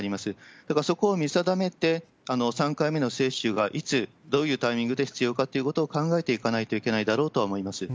だからそこを見定めて、３回目の接種がいつどういうタイミングで必要かっていうことを考えていかないといけないだろうとは思います。